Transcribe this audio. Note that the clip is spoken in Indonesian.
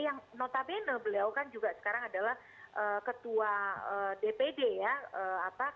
yang notabene beliau kan juga sekarang adalah ketua dpd ya